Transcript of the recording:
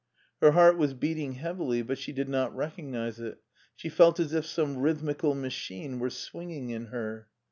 Her heart was beating Ijeavily, but she did not recognize it ; she felt as if some rhythmical machino were swinging in her.